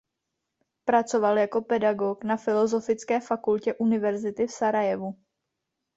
Pracoval jako pedagog na Filozofické fakultě Univerzity v Sarajevu.